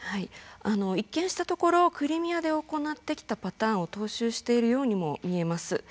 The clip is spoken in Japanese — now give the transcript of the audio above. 一見したところクリミアで行ってきたパターンを踏襲しているようにも見えます。